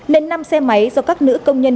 nên năm xe máy do các nữ công nhân